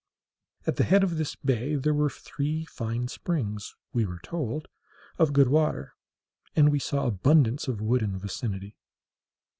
At the head of this bay there were three fine springs (we were told) of good water, and we saw abundance of wood in the vicinity.